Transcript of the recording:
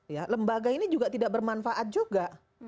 ya lembaga ini juga tidak bermanfaat juga